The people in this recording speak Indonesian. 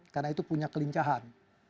karena itu punya kelincahan